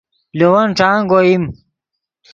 لے ون ݯانگ اوئیم